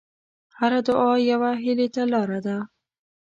هره دعا یوه هیلې ته لاره ده.